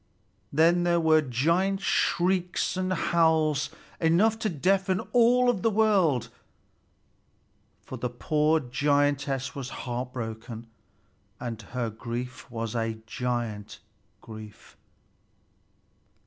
Then there were giant shrieks and howls enough to deafen all the world, for the poor giantess was heartbroken, and her grief was a giant grief.